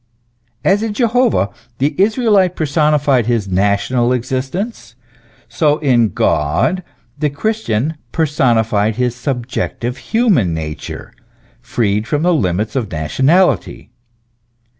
As in Jehovah the Israelite personified his national existence, so in God the Christian personified his subjective human nature, freed from the limits of nationality.